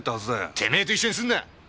テメェと一緒にすんな！